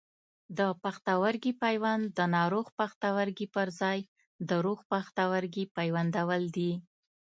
د پښتورګي پیوند د ناروغ پښتورګي پر ځای د روغ پښتورګي پیوندول دي.